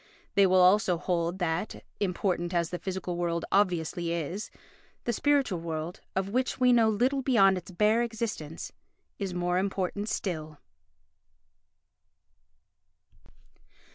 They will also hold that, important as the physical world obviously is, the spiritual world, of which we know little beyond its bare existence, is more important still.